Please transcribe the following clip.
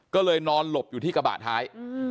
ก็เลยนอนหลบอยู่ที่กระบะท้าย